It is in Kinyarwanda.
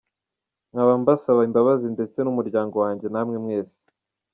Nkaba mbasaba imbabazi ndetse n’umuryango wanjye namwe mwese.